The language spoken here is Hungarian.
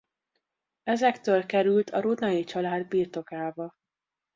Ezektől került a Rudnay-család birtokába.